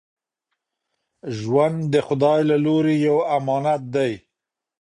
ژوند د خدای له لوري یو امانت دی.